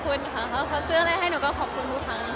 เขาซื้ออะไรให้หนูก็ขอบคุณดูค่ะ